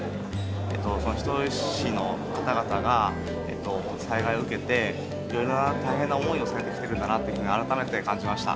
その人吉市の方々が災害を受けて、いろいろな、大変な思いをされてきてるんだなって改めて感じました。